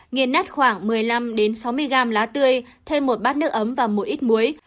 nghiên nát khoảng một mươi năm sáu mươi g lá tươi thêm một bát nước ấm và một ít muối